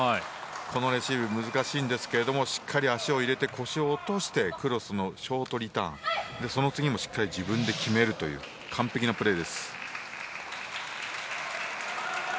このレシーブ、難しいんですがしっかり足を入れて腰を落として、クロスのショートリターン、その次もしっかり自分で決めるという完璧なプレーです。